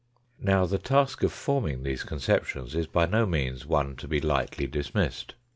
Now, the task of forming these conceptions is by no means one to be lightly dismissed.